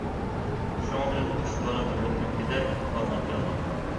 شۇڭا بىز ئۈچ بالا بۈگۈنكىدەك ھالغا كەلدۇق.